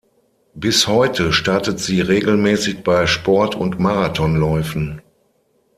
Bis heute startet sie regelmäßig bei Sport- und Marathonläufen.